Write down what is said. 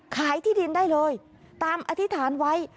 ขายที่ดินได้เลยตามอธิษฐานไว้